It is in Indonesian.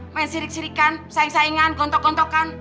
main sirik sirikan saing saingan gontok gontokan